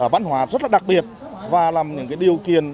văn hóa rất là đặc biệt và làm những cái điều kiện